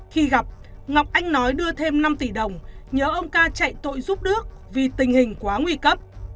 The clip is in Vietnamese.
khi gặp ngọc anh nói đưa thêm năm tỷ đồng nhớ ông ca chạy tội giúp đước vì tình hình quá nguy cấp